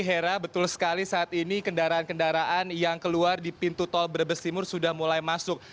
hera betul sekali saat ini kendaraan kendaraan yang keluar di pintu tol brebes timur sudah mulai masuk